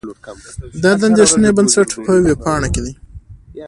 دا د اندېښې بنسټ په وېبپاڼه کې دي.